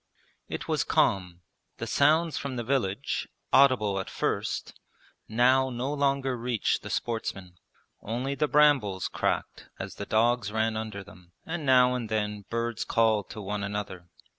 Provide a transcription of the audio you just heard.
It was calm. The sounds from the village, audible at first, now no longer reached the sportsmen. Only the brambles cracked as the dogs ran under them, and now and then birds called to one another.